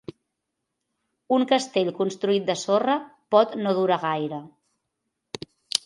Un castell construït de sorra pot no durar gaire.